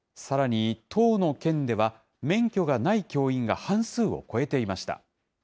さらに１０の県では、免許がない教員が半数を超えていました。